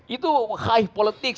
itu khaih politik